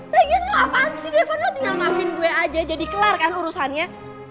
lagian lo apaan sih devo lo tinggal maafin gue aja jadi kelar kan urusannya